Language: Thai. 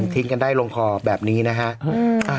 ทิ้งกันได้ลงคอแบบนี้นะฮะ